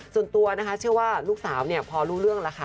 ส่วนตัวนะคะเชื่อว่าลูกสาวเนี่ยพอรู้เรื่องแล้วค่ะ